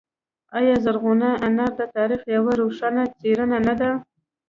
آیا زرغونه انا د تاریخ یوه روښانه څیره نه ده؟